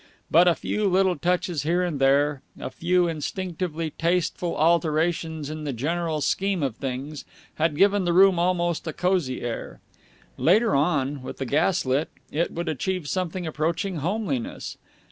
But a few little touches here and there, a few instinctively tasteful alterations in the general scheme of things, had given the room almost a cosy air. Later on, with the gas lit, it would achieve something approaching homeliness.